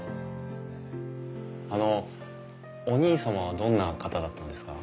あのお兄様はどんな方だったんですか？